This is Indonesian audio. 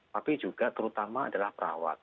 tapi juga terutama adalah perawat